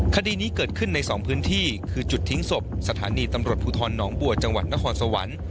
คดีนี้เกิดขึ้นในสองพื้นที่คือจุดทิ้งศพสถานีตำรวจภูทรหนองบัวจังหวัดนครสวรรค์